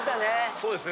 そうですね